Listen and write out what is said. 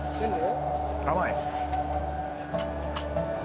甘い？